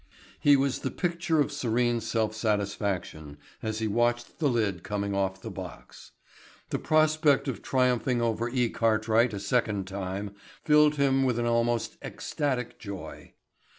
He was the picture of serene self satisfaction as he watched the lid coming off the box. The prospect of triumphing over E. Cartwright a second time filled him with an almost ecstatic joy.